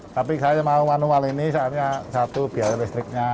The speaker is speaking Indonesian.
tapi saya mau manual ini saatnya satu biaya listriknya